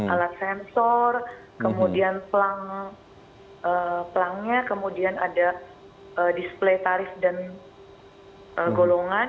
alat sensor kemudian pelangnya kemudian ada display tarif dan golongan